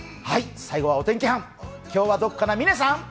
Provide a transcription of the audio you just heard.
最後はお天気班、今日はどこかな、嶺さん。